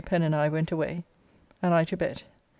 Pen and I went away, and I to bed.